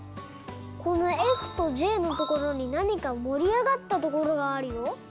このｆとｊのところになにかもりあがったところがあるよ。